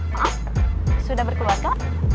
maaf sudah berkeluarga